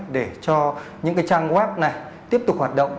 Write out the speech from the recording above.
để cho những cái trang web này tiếp tục hoạt động